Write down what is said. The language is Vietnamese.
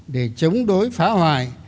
để chống đối phá hoại